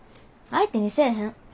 相手にせぇへん。